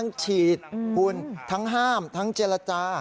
ทั้งฉีดพูนทั้งห้ามทั้งเจรจา